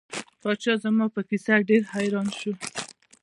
پاچا زما په کیسه ډیر حیران شو.